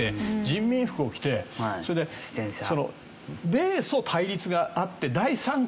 人民服を着てそれで米ソ対立があって第三極みたいにして。